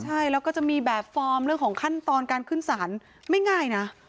ใช่แล้วก็จะมีแบบฟอร์มเรื่องของขั้นตอนการขึ้นสารไม่ง่ายนะ